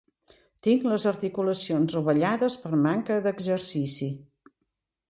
Tinc les articulacions rovellades per manca d'exercici.